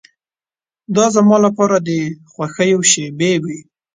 دا زما لپاره د خوښیو شېبې وې.